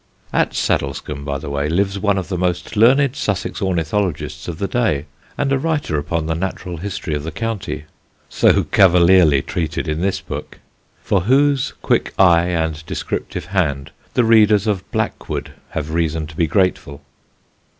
At Saddlescombe, by the way, lives one of the most learned Sussex ornithologists of the day, and a writer upon the natural history of the county (so cavalierly treated in this book!), for whose quick eye and descriptive hand the readers of Blackwood have reason to be grateful.